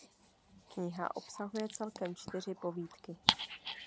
Kniha obsahuje celkem čtyři povídky.